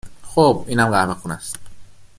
.خوب ، اینم قهوه خونست